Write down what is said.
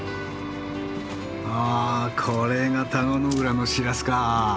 あこれが田子の浦のシラスか。